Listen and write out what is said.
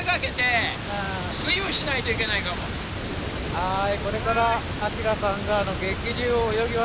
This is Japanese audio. はい。